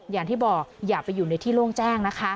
อย่าไปอยู่ในที่โล่งแจ้ง